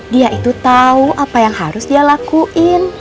dia itu tahu apa yang harus dia lakuin